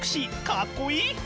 かっこいい！